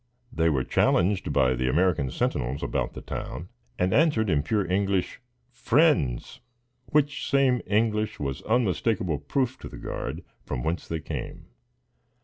They were challenged by the American sentinels about the town, and answered in pure English, "Friends," which same English was unmistakable proof to the guard from whence they came.